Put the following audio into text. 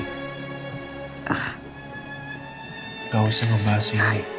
enggak usah membahas ini